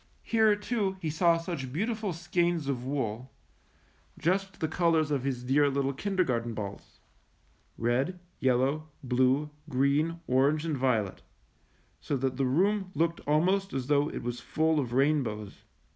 Here, too, he saw such beautiful skeins of wool, just the colors of his dear little kin dergarten balls — red, yellow, blue, green, orange, and violet, so that the room looked almost as though it was full of rainbows.